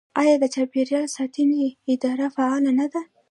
آیا د چاپیریال ساتنې اداره فعاله نه ده؟